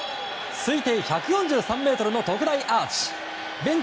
推定１４３ｍの特大アーチ。